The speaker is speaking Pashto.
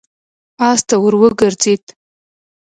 آس ته ور وګرځېد.